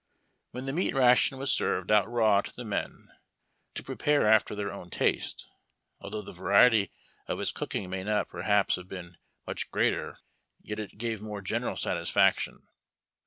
.When the meat ration was served out raw to the men, to prepare after their own taste, although the variety of its cooking may not perhaps have been much greater, 3^et it gave more general satisfaction.